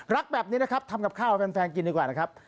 รักแบบนี้นะครับทำกับข้าวให้แฟนกินดีกว่านะครับ